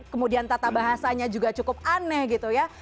kemudian tata bahasanya juga cukup aneh gitu ya